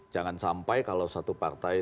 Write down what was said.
jangan sampai kalau satu partai